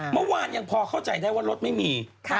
เมื่อวานยังพอเข้าใจได้ว่ารถไม่มี